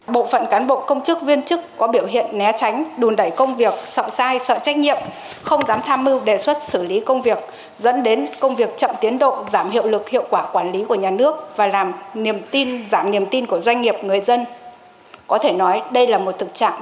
bộ phận cán bộ công chức viên chức có biểu hiện né tránh đùn đẩy công việc sợ sai sợ trách nhiệm không dám tham mưu đề xuất xử lý công việc dẫn đến công việc chậm tiến độ giảm hiệu lực hiệu quả quản lý của nhà nước và giảm niềm tin của doanh nghiệp